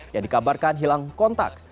yang dikabarkan hilang kontak